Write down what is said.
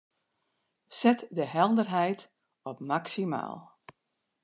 Set de helderheid op maksimaal.